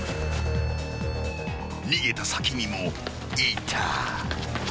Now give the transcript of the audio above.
［逃げた先にもいた］